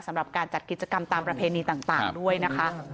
สำหรับการจัดกิจกรรมตามประเพณีต่างด้วยนะคะ